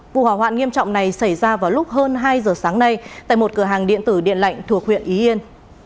vụ hỏa hoạn nghiêm trọng này xảy ra vào lúc hơn hai giờ sáng nay tại một cửa hàng điện tử điện lạnh thuộc huyện y yên